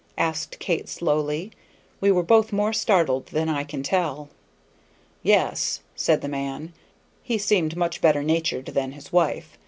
asked Kate, slowly. We were both more startled than I can tell. "Yes," said the man, who seemed much better natured than his wife.